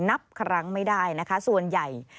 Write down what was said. นับครั้งไม่ได้นะคะส่วนใหญ่